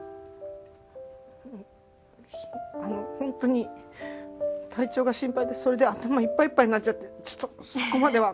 あのホントに体調が心配でそれで頭いっぱいいっぱいになっちゃってちょっとそこまでは。